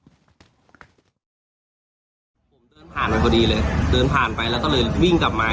ผมเดินผ่านไปพอดีเลยเดินผ่านไปแล้วก็เลยวิ่งกลับมา